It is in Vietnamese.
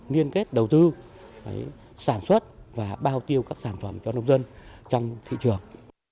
liên kết đầu tư sản xuất và bao tiêu các sản phẩm cho nông dân trong thị trường